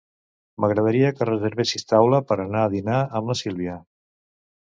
M'agradaria que reservessis taula per anar a dinar amb la Sílvia.